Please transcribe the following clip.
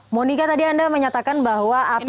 monica tadi anda menyatakan bahwa api ini